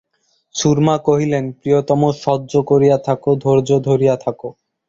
সুরমা কহিলেন, প্রিয়তম, সহ্য করিয়া থাকো, ধৈর্য ধরিয়া থাকো।